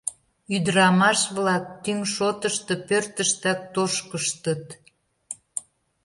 Ӱдырамаш-влак тӱҥ шотышто пӧртыштак тошкыштыт.